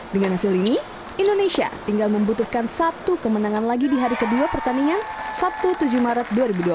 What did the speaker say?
dengan hasil ini indonesia tinggal membutuhkan satu kemenangan lagi di hari kedua pertandingan sabtu tujuh maret dua ribu dua puluh